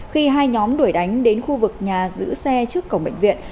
khi hai nhóm đuổi đánh đến khu vực nhà giữ xe trước cổng bệnh viện